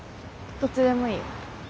どっちでもいいよ。